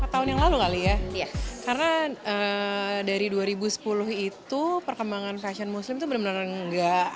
lima tahun yang lalu kali ya karena dari dua ribu sepuluh itu perkembangan fashion muslim itu bener bener enggak